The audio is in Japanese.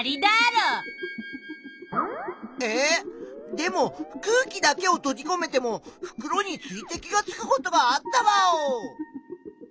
でも空気だけをとじこめても袋に水滴がつくことがあったワオ！